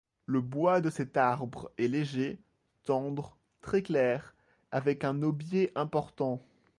Le bois de cet arbre est léger, tendre, très clair, avec un aubier important.